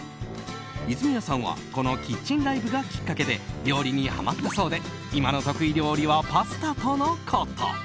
泉谷さんはこの「キッチンライブ！」がきっかけで料理にハマったそうで今の得意料理はパスタとのこと。